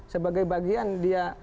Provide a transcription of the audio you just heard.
sebagai bagian dia